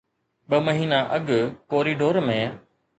ٻه مهينا اڳ ڪوريڊور ۾